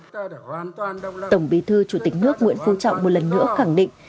tổng bí thư chủ tịch nước nguyễn phú trọng một lần nữa khẳng định